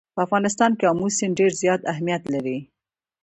په افغانستان کې آمو سیند ډېر زیات اهمیت لري.